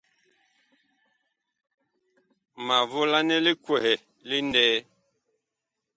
Ma volanɛ li kwɛhɛ li ŋlɛɛ.